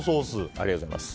ありがとうございます。